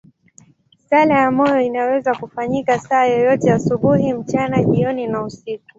Sala ya moyo inaweza kufanyika saa yoyote, asubuhi, mchana, jioni au usiku.